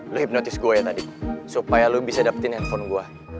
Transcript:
lo hipnotis gue ya tadi supaya lo bisa dapetin handphone gue